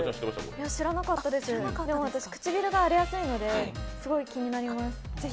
知らなかったです、私、唇が荒れやすいのですごい気になります。